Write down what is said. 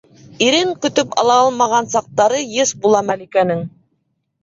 Ирен көтөп ала алмаған саҡтары йыш була Мәликәнең.